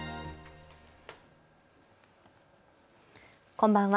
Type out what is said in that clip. こんばんは。